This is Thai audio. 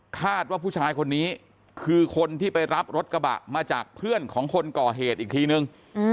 คาดว่าผู้ชายคนนี้คือคนที่ไปรับรถกระบะมาจากเพื่อนของคนก่อเหตุอีกทีนึง